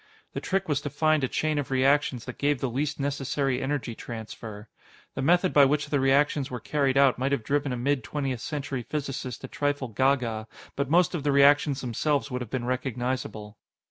The trick was to find a chain of reactions that gave the least necessary energy transfer. The method by which the reactions were carried out might have driven a mid Twentieth Century physicist a trifle ga ga, but most of the reactions themselves would have been recognizable.